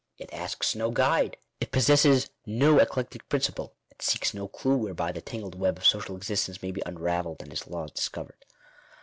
It asks no guide ; it possesses no eclectic principle ; it seeks no clue whereby the tangled web of social existence may be unravelled and its laws discovered.